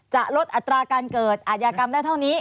จะลดอัตราการเกิดอาทยากรรมได้เท่านี้